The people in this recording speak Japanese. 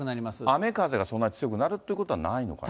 雨風はそんなに強くなるということはないのかな。